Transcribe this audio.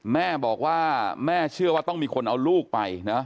แม่บอกว่าแม่เชื่อว่าต้องมีคนเอาลูกไปนะ